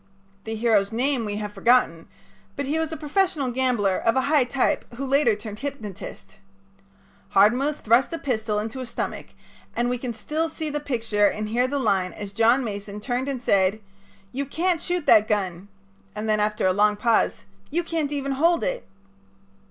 The hero's name we have forgotten, but he was a professional gambler, of a high type, who later turned hypnotist. Hardmuth thrust a pistol into his stomach, and we can still see the picture and hear the line as John Mason turned and said: "You can't shoot that gun [and then after a long pause]: You can't even hold it."